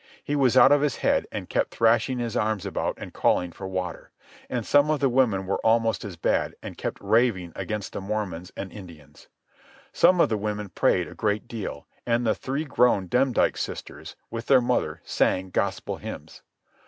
He was out of his head, and kept thrashing his arms about and calling for water. And some of the women were almost as bad, and kept raving against the Mormons and Indians. Some of the women prayed a great deal, and the three grown Demdike sisters, with their mother, sang gospel hymns.